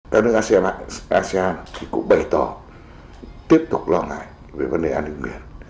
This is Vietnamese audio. các nước asean thì cũng bày tỏ tiếp tục lo ngại về vấn đề an ninh biển